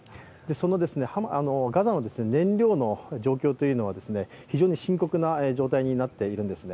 そのガザの燃料の状況というのは非常に深刻な状態になっているんですね。